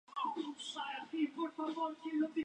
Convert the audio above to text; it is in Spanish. En Plague Inc tenemos que infectar países.